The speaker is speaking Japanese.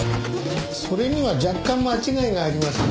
それには若干間違いがありますね。